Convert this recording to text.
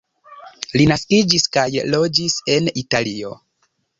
Li naskiĝis kaj loĝis en Italio.